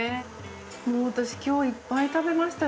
もう私、きょういっぱい食べましたよ。